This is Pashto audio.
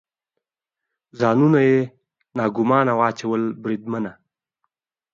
خو ځانونه یې ناګومانه واچول، بریدمنه.